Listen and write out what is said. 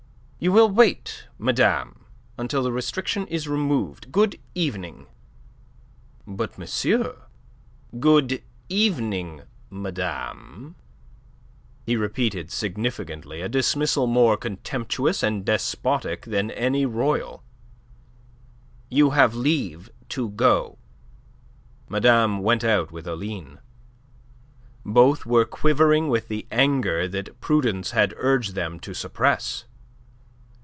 You will wait, madame, until the restriction is removed. Good evening." "But, monsieur..." "Good evening, madame," he repeated significantly, a dismissal more contemptuous and despotic than any royal "You have leave to go." Madame went out with Aline. Both were quivering with the anger that prudence had urged them to suppress.